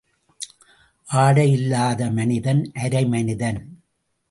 ஆடை இல்லாத மனிதன் அரை மனிதன்.